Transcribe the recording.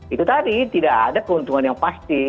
itu tadi tidak ada keuntungan yang pasti